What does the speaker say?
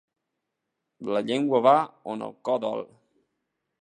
La llengua va a on el cor dol.